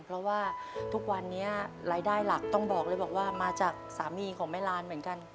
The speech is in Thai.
เพราะว่าทุกวันนี้รายได้หลักต้องบอกเลยบอกว่ามาจากสามีของแม่ลานเหมือนกัน